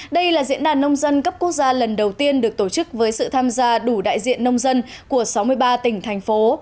đây là diễn đàn nông dân cấp quốc gia lần đầu tiên được tổ chức với sự tham gia đủ đại diện nông dân của sáu mươi ba tỉnh thành phố